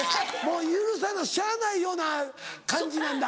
許さなしゃあないような感じなんだもう。